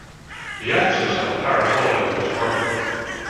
The axis of the parabola is vertical.